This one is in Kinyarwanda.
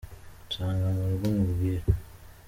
nsanga murugo nkubwire